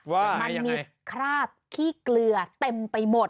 ว่าอย่างไหนว่ามันมีคราบขี้เกลือเต็มไปหมด